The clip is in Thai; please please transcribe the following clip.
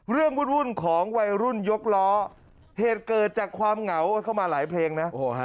วุ่นของวัยรุ่นยกล้อเหตุเกิดจากความเหงาเข้ามาหลายเพลงนะ